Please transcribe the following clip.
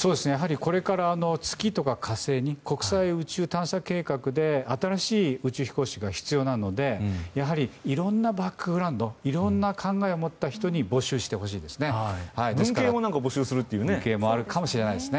これから月とか火星に国際宇宙探査計画で新しい宇宙飛行士が必要なのでやはりいろんなバックグラウンドいろんな考えを持った人に募集してほしいんですね。